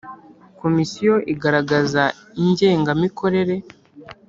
Komisiyo igaragaza ingenga mikorere.